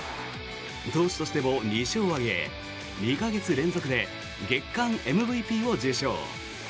投手としても２勝を挙げ２か月連続で月間ＭＶＰを受賞。